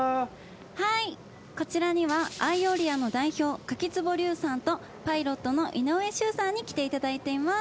はいこちらにはＡＩＯＬＩＡの代表柿坪隆さんとパイロットの井上周さんに来ていただいています。